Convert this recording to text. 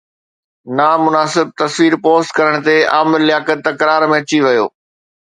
نامناسب تصوير پوسٽ ڪرڻ تي عامر لياقت تڪرار ۾ اچي ويو